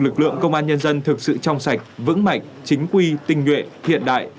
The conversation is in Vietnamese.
lực lượng công an nhân dân thực sự trong sạch vững mạnh chính quy tinh nhuệ hiện đại